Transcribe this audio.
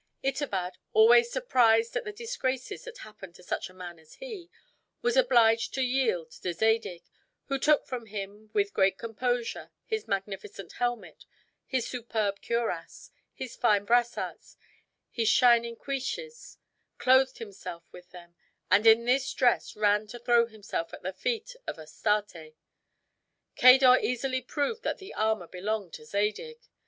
Itobad, always surprised at the disgraces that happened to such a man as he, was obliged to yield to Zadig, who took from him with great composure his magnificent helmet, his superb cuirass, his fine brassarts, his shining cuishes; clothed himself with them, and in this dress ran to throw himself at the feet of Astarte. Cador easily proved that the armor belonged to Zadig.